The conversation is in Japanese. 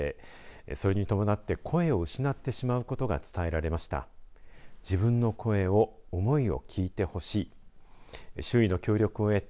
それに伴って声を失ってしまうことが伝えられました。